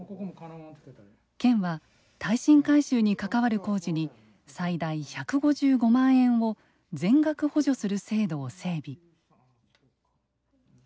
県は耐震改修に関わる工事に最大１５５万円を全額補助する制度を整備。